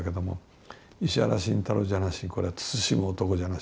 「『石原慎太郎』じゃなしにこれは『慎む男』じゃなし